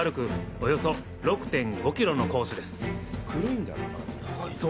およそ６．５キロのコースです。